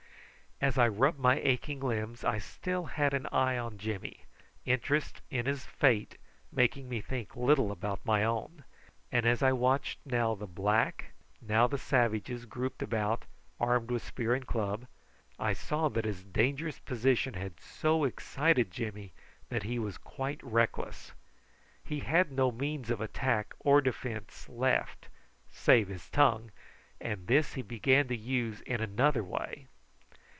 As I rubbed my aching limbs I still had an eye on Jimmy, interest in his fate making me think little about my own; and as I watched now the black, now the savages grouped about armed with spear and club, I saw that his dangerous position had so excited Jimmy that he was quite reckless. He had no means of attack or defence left save his tongue, and this he began to use in another way.